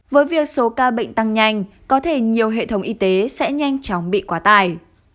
với việc số ca bệnh tăng nhanh có thể nhiều hệ thống y tế sẽ nhanh chóng bị quá tài